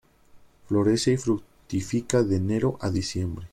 Florece y fructifica de enero a diciembre.